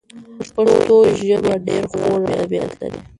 پښتو ژبه ډېر خوږ ادبیات لري.